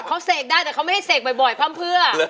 เขาเสกได้แต่เขาไม่ให้เสกบ่อยพร่ำเพื่อ